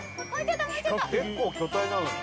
結構巨体なのに。